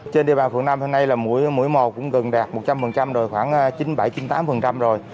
trên địa bàn phường năm hôm nay là mũi một cũng gần đạt một trăm linh rồi khoảng chín mươi bảy chín mươi tám rồi